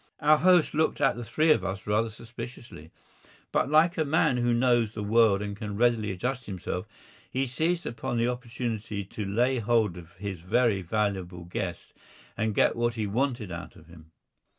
Our host looked at the three of us rather suspiciously. But, like a man who knows the world and can readily adjust himself, he seized upon the opportunity to lay hold of his very valuable guest and get what he wanted out of him.